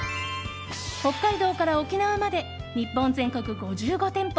北海道から沖縄まで日本全国５５店舗